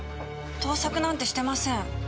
盗作なんてしてません！